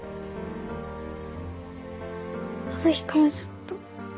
あの日からずっと。